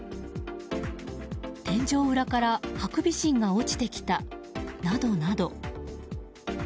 天井裏からハクビシンが落ちてきたなどなど。